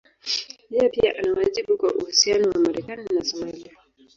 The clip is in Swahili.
Yeye pia ana wajibu kwa uhusiano wa Marekani na Somalia.